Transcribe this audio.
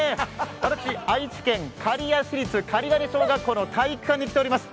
私、愛知県刈谷市立かりがね小学校の体育館に来ております。